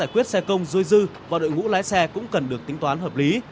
giải quyết xe công dôi dư và đội ngũ lái xe cũng cần được tính toán hợp lý